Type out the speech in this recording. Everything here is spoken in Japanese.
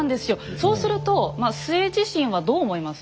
そうすると陶自身はどう思います？